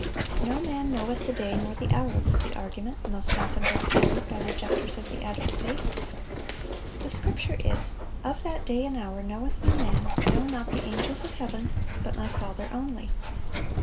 "No man knoweth the day nor the hour," was the argument most often brought forward by rejecters of the advent faith. The scripture is, "Of that day and hour knoweth no man, no, not the angels of heaven, but My Father only."